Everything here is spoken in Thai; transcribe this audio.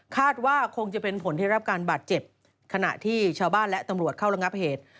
ว่าคงจะเป็นผลที่รับการบาดเจ็บขณะที่ชาวบ้านและตำรวจเข้าระงับเหตุ